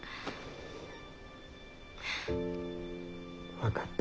分かった。